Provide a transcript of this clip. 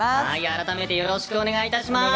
改めてよろしくお願いいたします。